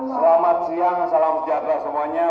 selamat siang salam sejahtera semuanya